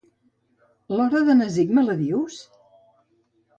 L'hora de Nasik me la dius?